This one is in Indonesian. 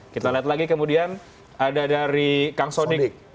kita lihat lagi kemudian ada dari kang sodik